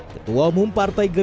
ketua umum partai geris